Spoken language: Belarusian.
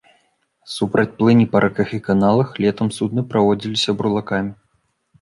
Супраць плыні па рэках і каналах летам судны праводзіліся бурлакамі.